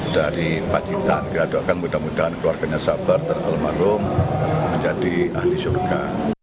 dari pacitan kita doakan mudah mudahan keluarganya sabar dan almarhum menjadi ahli surga